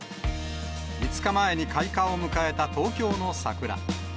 ５日前に開花を迎えた東京の桜。